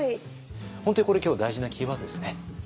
本当にこれ今日大事なキーワードですね。